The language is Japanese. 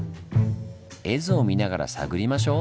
絵図を見ながら探りましょう！